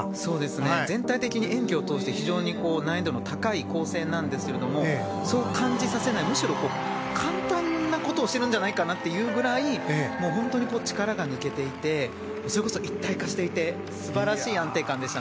全体的に演技をとおして難易度の高い構成ですがそう感じさせない簡単なことをしているんじゃないかというぐらい本当に力が抜けていてそれこそ一体化していて素晴らしい安定感でした。